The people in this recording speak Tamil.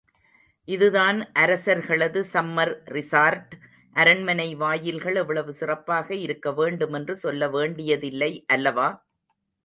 இதுதான் அரசர்களது சம்மர் ரிஸார்ட். அரண்மனை வாயில்கள் எவ்வளவு சிறப்பாக இருக்க வேண்டும் என்று சொல்ல வேண்டியதில்லை அல்லவா?